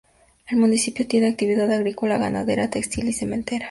El municipio tiene actividad agrícola, ganadera, textil y cementera.